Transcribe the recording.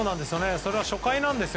それは初回なんです。